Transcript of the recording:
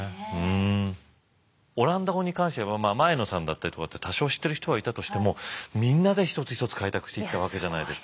オランダ語に関しては前野さんだったりとかって多少知ってる人がいたとしてもみんなで一つ一つ開拓していったわけじゃないですか。